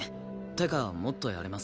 ってかもっとやれます。